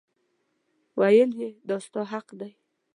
ویل یې دا ستا حق دی.